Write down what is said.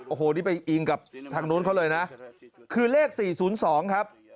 โอ้โหนี่ไปอิงกับทางนู้นเขาเลยนะคือเลข๔๐๒ครับ